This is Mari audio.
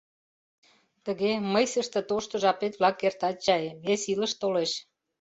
Тыге, мыйсыште тошто жапет-влак эртат чай, вес илыш толеш...